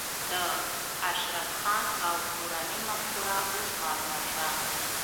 د اشرف خان او کورنۍ مفکوره اوس معلومه شوه